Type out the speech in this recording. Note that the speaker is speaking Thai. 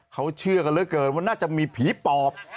เขาเชื่อกันเหลือเกินว่าน่าจะมีผีปอบ